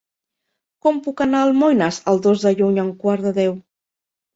Com puc anar a Almoines el dos de juny a un quart de deu?